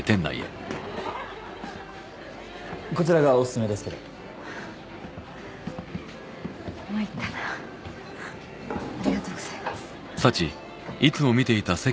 こちらがオススメですけど参ったなありがとうございます